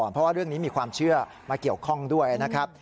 เพราะว่าเรื่องนี้มีความเชื่อมาเกี่ยวข้องด้วยนะครับ